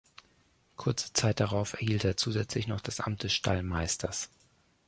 Kurze Zeit darauf erhielt er zusätzlich noch das Amt des Stallmeisters.